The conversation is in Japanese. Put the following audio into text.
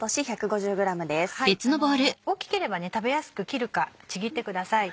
大きければ食べやすく切るかちぎってください。